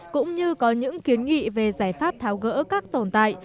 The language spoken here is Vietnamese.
cũng như có những kiến nghị về giải pháp tháo gỡ các tồn tại